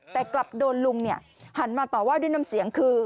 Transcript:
แต่กลับโดนลุงหันมาต่อว่าด้วยน้ำเสียงคือ